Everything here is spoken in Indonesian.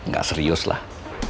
gak serius lah